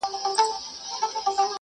بېوینا